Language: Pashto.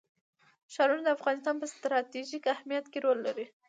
ښارونه د افغانستان په ستراتیژیک اهمیت کې رول لري.